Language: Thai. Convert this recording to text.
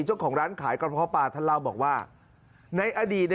เจ้าของร้านใช้กรพบาทท่านเล่าบอกว่าในอดีต